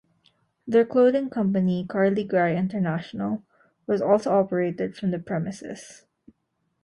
Their clothing company Carly Gry International was also operated from the premises.